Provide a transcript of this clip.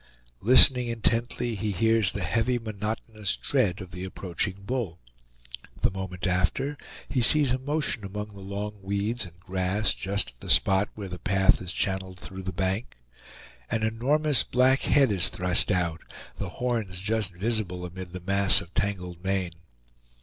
Listening intently, he hears the heavy monotonous tread of the approaching bull. The moment after he sees a motion among the long weeds and grass just at the spot where the path is channeled through the bank. An enormous black head is thrust out, the horns just visible amid the mass of tangled mane.